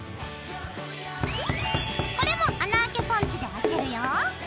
これも穴あけポンチであけるよ。